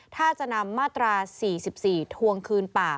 ถ้าจะนำมาตรา๔๔ทวงคืนป่า